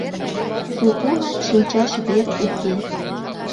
Кукулан шинчаш вер уке.